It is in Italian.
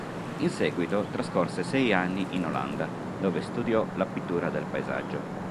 In seguito trascorse sei anni in Olanda, dove studiò la pittura del paesaggio.